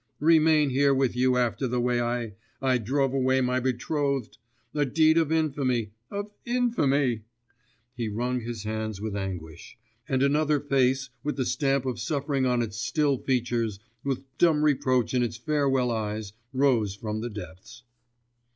Remain here with you after the way I ... I drove away my betrothed ... a deed of infamy, of infamy!' He wrung his hands with anguish, and another face with the stamp of suffering on its still features, with dumb reproach in its farewell eyes, rose from the depths....